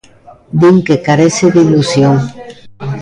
Din que carece de ilusión.